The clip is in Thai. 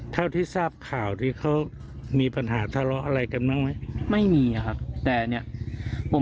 ตายถ้าที่ทราบข่ายรีเคราะห์ทาระอะไรทราบข่าวอะไรกันมั้ยไม่มีครับแต่นี้ผม